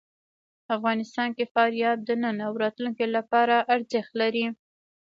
افغانستان کې فاریاب د نن او راتلونکي لپاره ارزښت لري.